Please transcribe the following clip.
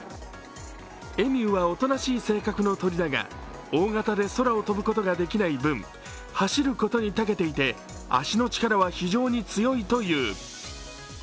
エミューはおとなしい性格の鳥だが大型で空を飛ぶことができない分走ることにたけていて足の力は非常に強いという。